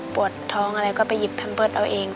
ปวดท้องอะไรก็ไปหยิบแพมเตอร์เอาเอง